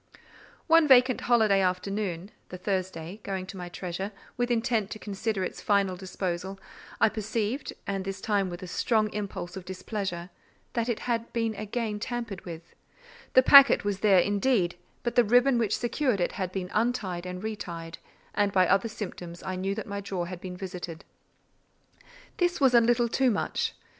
One vacant holiday afternoon (the Thursday) going to my treasure, with intent to consider its final disposal, I perceived—and this time with a strong impulse of displeasure—that it had been again tampered with: the packet was there, indeed, but the ribbon which secured it had been untied and retied; and by other symptoms I knew that my drawer had been visited. This was a little too much.